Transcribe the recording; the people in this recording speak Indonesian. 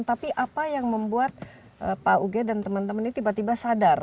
tapi apa yang membuat pak uge dan teman teman ini tiba tiba sadar